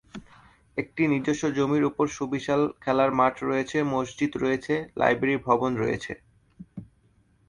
এর নিজস্ব জমির উপর সুবিশাল খেলার মাঠ রয়েছে, মসজিদ রয়েছে, লাইব্রেরী ভবন রয়েছে।